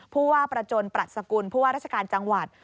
ผู้ว่าประจนปรัชกุลผู้ว่าราชการจังหวัด